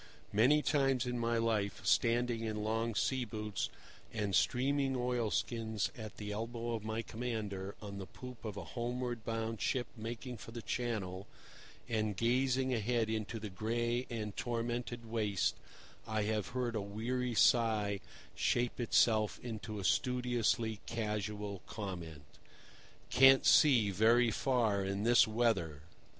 Many times in my life, standing in long sea boots and streaming oilskins at the elbow of my commander on the poop of a homeward bound ship making for the Channel, and gazing ahead into the gray and tormented waste, I have heard a weary sigh shape itself into a studiously casual comment: "Can't see very far in this weather."